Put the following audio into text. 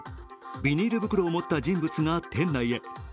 ビニール袋を持った人物が店内へ。